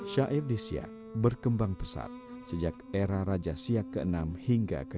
syair di siak berkembang pesat sejak era raja siak ke enam hingga ke dua